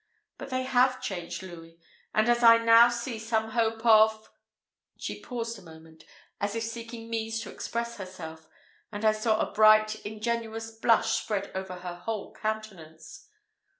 But they have changed, Louis; and as I now see some hope of " she paused a moment, as if seeking means to express herself, and I saw a bright, ingenuous blush spread over her whole countenance.